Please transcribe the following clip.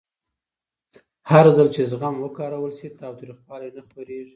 هرځل چې زغم وکارول شي، تاوتریخوالی نه خپرېږي.